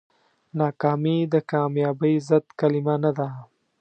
ناکامي د کامیابۍ ضد کلمه نه ده.